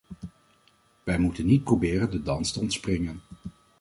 Wij moeten niet proberen de dans te ontspringen.